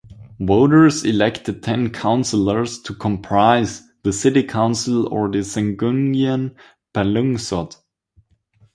Voters elected ten councilors to comprise the City Council or the Sangguniang Panlungsod.